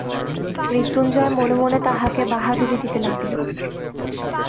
মৃত্যুঞ্জয় মনে মনে তাহাকে বাহাদুরি দিতে লাগিল।